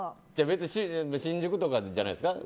別に新宿とかじゃないですか。